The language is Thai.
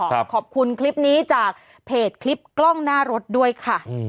ขอบคุณคลิปนี้จากเพจคลิปกล้องหน้ารถด้วยค่ะ